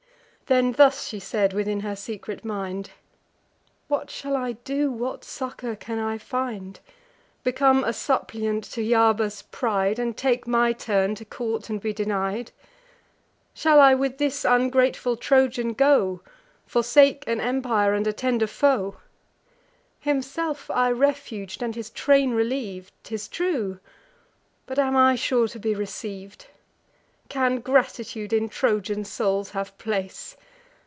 Then thus she said within her secret mind: "What shall I do? what succour can I find? Become a suppliant to Hyarba's pride, And take my turn, to court and be denied? Shall I with this ungrateful Trojan go, Forsake an empire, and attend a foe? Himself I refug'd, and his train reliev'd; 'Tis true; but am I sure to be receiv'd? Can gratitude in Trojan souls have place!